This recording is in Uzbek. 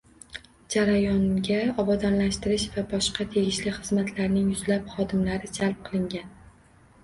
Jarayonga obodonlashtirish va boshqa tegishli xizmatlarning yuzlab xodimlari jalb qilingan